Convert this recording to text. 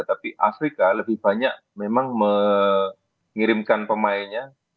tapi afrika lebih banyak memang mengirimkan pemainnya